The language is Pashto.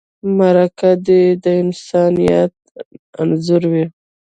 مرکه دې د انسانیت انځور وي.